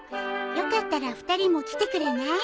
よかったら２人も来てくれない？